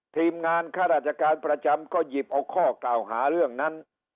ทีมงานข้าราชการประจำก็หยิบเอาข้อกล่าวหาเรื่องนั้น